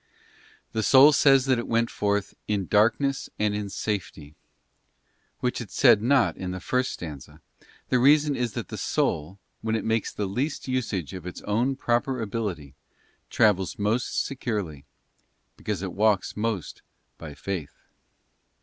The soul says that it went forth 'in darkness and in safety,' which it said not in the first stanza, and the reason is that the soul, when it makes the least usage of its own proper ability, travels most securely, because it walks most by faith.